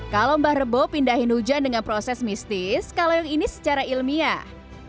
kalau mbah rebo pindahin hujan dengan proses mistis kalau yang ini secara ilmiah